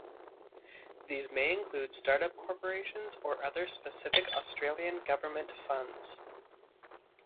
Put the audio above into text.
These may include start-up corporations or other specific Australian government funds.